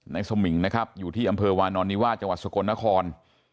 สมิงนะครับอยู่ที่อำเภอวานอนนิวาสจังหวัดสกลนคร